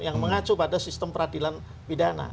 yang mengacu pada sistem peradilan pidana